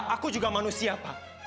aku juga manusia pak